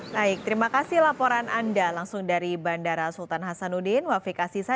baik terima kasih laporan anda langsung dari bandara sultan hasanuddin wafik asisa